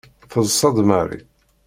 Teḍṣa-d Mary.